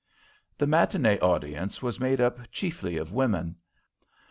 The matinée audience was made up chiefly of women.